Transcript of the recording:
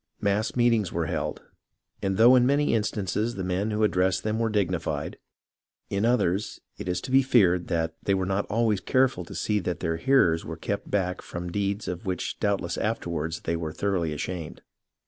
Mass meetings were held, and though in many instances the men who addressed them were dignified, in others, it is to be feared that they were not always careful to see that their hearers were kept back from deeds of which doubtless afterwards they were thoroughly ashamed.